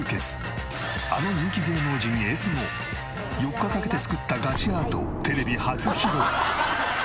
あの人気芸能人Ｓも４日かけて作ったガチアートをテレビ初披露！